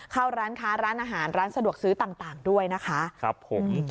เข้าร้านค้าร้านอาหารร้านสะดวกซื้อต่างด้วยนะคะครับผม